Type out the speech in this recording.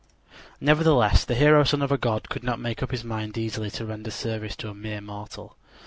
Nevertheless the hero son of a god could not make up his mind easily to render service to a mere mortal.